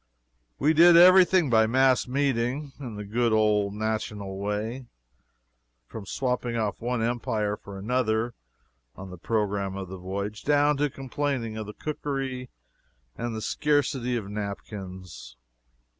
We did every thing by mass meeting, in the good old national way, from swapping off one empire for another on the programme of the voyage down to complaining of the cookery and the scarcity of napkins.